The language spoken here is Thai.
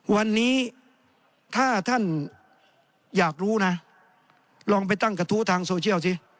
วันนี้ถ้าท่านอยากรู้นะลองไปตั้งกระทู้ทางโซเชียลสิ